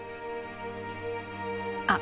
あっ！